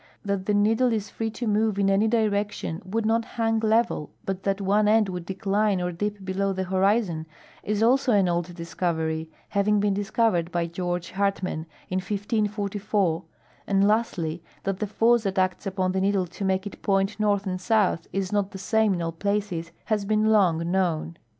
That the needle, if free to move in any direction, would not " hang level," but that one end would decline or dip below the horizon, is also an old discovery, having been discovered by Georg Hartmann in 1 544; and, lasth', that the force that acts upon the needle to make it point north and south is not the same in all places has been long known.